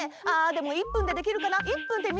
あーでも１分でできるかな？